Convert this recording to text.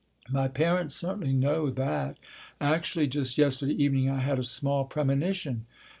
My parents certainly know that. Actually just yesterday evening I had a small premonition.